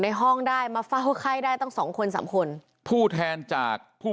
ห้องได้มาเฝ้าไข้ได้ตั้งสองคนสามคนผู้แทนจากผู้